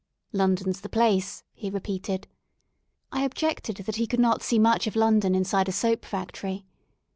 London *s the place,'' he repeated, I objected that he could not see much of London inside a soap factory.